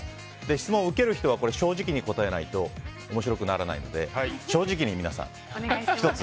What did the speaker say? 質問を受ける人は正直に答えないと面白くならないので正直に皆さん、１つ。